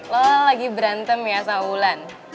lo lagi berantem ya saulan